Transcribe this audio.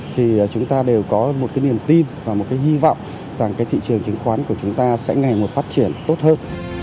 thì chúng ta đều có một niềm tin và một hy vọng rằng thị trường chứng khoán của chúng ta sẽ ngày một phát triển tốt hơn